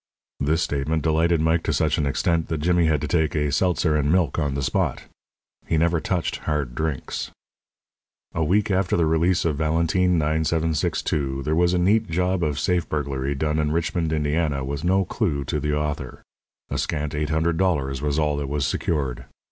This statement delighted Mike to such an extent that Jimmy had to take a seltzer and milk on the spot. He never touched "hard" drinks. A week after the release of Valentine, 9762, there was a neat job of safe burglary done in Richmond, Indiana, with no clue to the author. A scant eight hundred dollars was all that was secured.